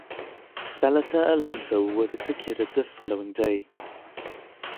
Salazar Alonso was executed the following day.